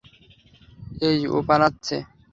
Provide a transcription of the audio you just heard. এই, ও পালাচ্ছে।